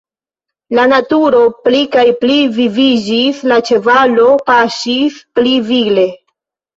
La naturo pli kaj pli viviĝis, la ĉevalo paŝis pli vigle.